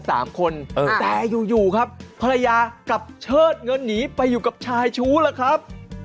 แต่อยู่อยู่ครับภรรยากลับเชิดเงินหนีไปอยู่กับชายชู้ล่ะครับ